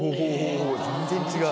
全然違う。